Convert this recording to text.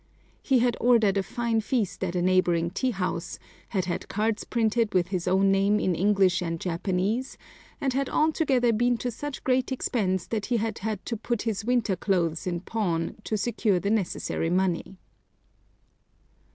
He had ordered a fine feast at a neighboring tea house, had had cards printed with his own name in English and Japanese, and had altogether been to such great expense that he had had to put his winter clothes in pawn to secure the necessary money.